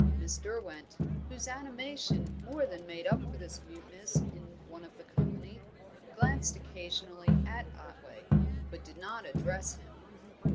Miss Derwent, whose animation more than made up for this muteness in one of the company, glanced occasionally at Otway, but did not address him.